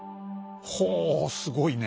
ほうすごいね！